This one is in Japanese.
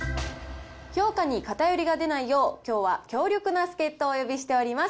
評価に偏りが出ないよう、きょうは強力な助っ人をお呼びしております。